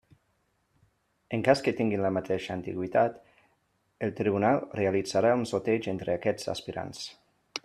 En cas que tinguin la mateixa antiguitat, el tribunal realitzarà un sorteig entre aquests aspirants.